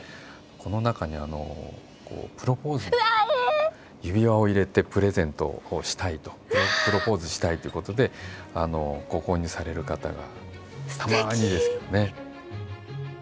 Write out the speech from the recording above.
この中にプロポーズの指輪を入れてプレゼントしたいとプロポーズしたいっていうことでご購入される方がたまにですけどね。